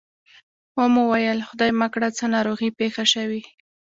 و مې ویل خدای مه کړه څه ناروغي پېښه شوې.